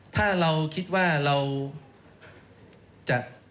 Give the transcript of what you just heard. ถ้าเราคิดว่าเราจะ